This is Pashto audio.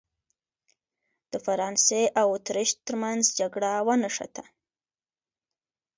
د فرانسې او اتریش ترمنځ جګړه ونښته.